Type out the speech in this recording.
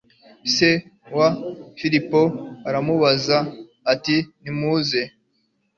se wa filipo aramubaza ati nimuze